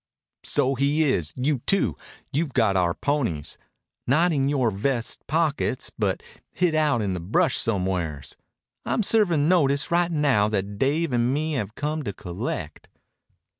"So he is. You, too. You've got our ponies. Not in yore vest pockets, but hid out in the brush somewheres. I'm servin' notice right now that Dave and me have come to collect."